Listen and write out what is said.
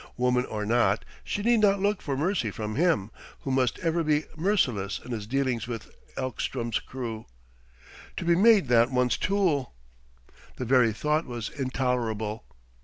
Woman or not, she need not look for mercy from him, who must ever be merciless in his dealings with Ekstrom's crew. To be made that one's tool! The very thought was intolerable....